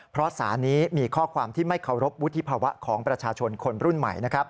เพราะสารนี้มีข้อความที่ไม่เคารพวุฒิภาวะของประชาชนคนรุ่นใหม่